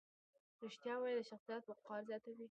رښتیا ویل د شخصیت وقار زیاتوي.